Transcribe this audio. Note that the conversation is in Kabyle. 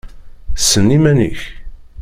Ssen iman-ik!